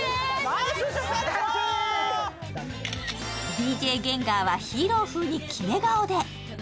ＤＪゲンガーはヒーロー風に決め顔で。